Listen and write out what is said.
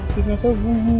thì bây giờ tôi vui vẻ